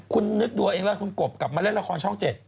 คุณนึกดูเองว่าคุณกบกลับมาเล่นละครช่องเจ็ด